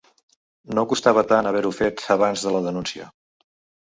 No costava tant haver-ho fet abans de la denúncia.